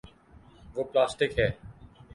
وہ پلاسٹک ہے۔